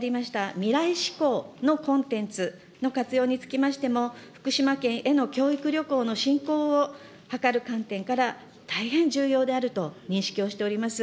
未来志向のコンテンツの活用につきましても、福島県への教育旅行の振興を図る観点から、大変重要であると認識をしております。